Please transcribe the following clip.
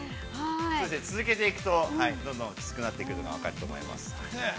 ◆続けていくと、どんどん、きつくなるのが分かると思います。